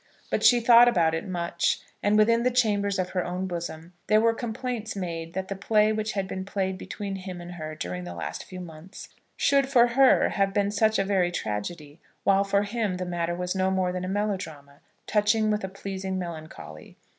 But she thought about it much, and within the chambers of her own bosom there were complaints made that the play which had been played between him and her during the last few months should for her have been such a very tragedy, while for him the matter was no more than a melodrama, touched with a pleasing melancholy.